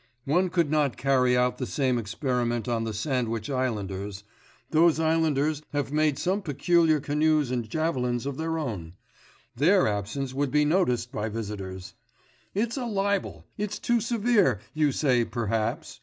One could not carry out the same experiment on the Sandwich islanders; those islanders have made some peculiar canoes and javelins of their own; their absence would be noticed by visitors. It's a libel! it's too severe, you say perhaps....